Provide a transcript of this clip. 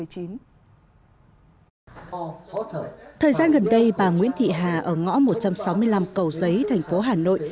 thời gian gần đây bà nguyễn thị hà ở ngõ một trăm sáu mươi năm cầu giấy thành phố hà nội